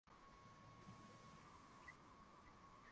Meza ya kaka ni nzuri sana